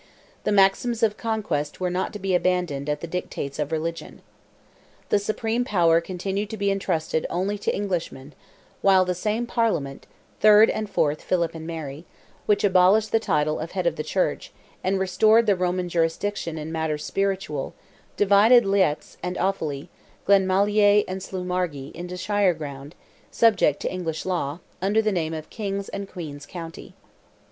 The maxims of conquest were not to be abandoned at the dictates of religion. The supreme power continued to be entrusted only to Englishmen; while the same Parliament (3rd and 4th Philip and Mary) which abolished the title of head of the Church, and restored the Roman jurisdiction in matters spiritual, divided Leix and Offally, Glenmalier and Slewmargy, into shire ground, subject to English law, under the name of King's and Queen's County.